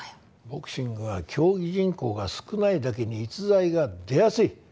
ボクシングは競技人口が少ないだけに逸材が出やすい。